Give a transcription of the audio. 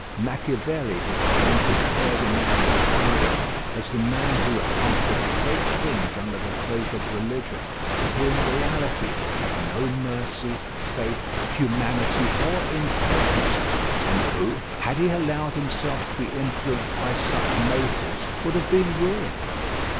Machiavelli has painted Ferdinand of Aragon as the man who accomplished great things under the cloak of religion, but who in reality had no mercy, faith, humanity, or integrity; and who, had he allowed himself to be influenced by such motives, would have been ruined.